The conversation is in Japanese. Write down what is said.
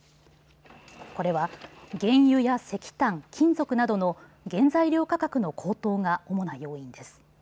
これは原油や石炭、金属などの原材料価格の高騰が主な要因です。